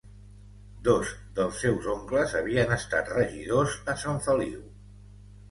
Dos dels seus oncles havien estat regidors a Sant Feliu.